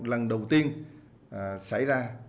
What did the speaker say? lần đầu tiên xảy ra